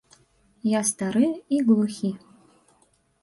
Я стары і глухі.